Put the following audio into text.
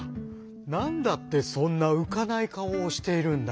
なんだってそんなうかないかおをしているんだい？」。